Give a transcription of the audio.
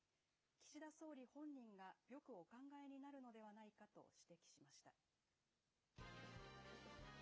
岸田総理本人がよくお考えになるのではないかと指摘しました。